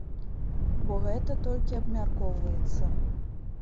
Бо гэта толькі абмяркоўваецца.